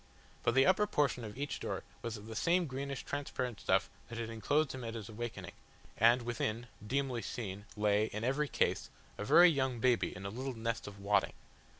But the upper portion of each door was of the same greenish transparent stuff that had enclosed him at his awakening, and within, dimly seen, lay, in every case, a very young baby in a little nest of wadding.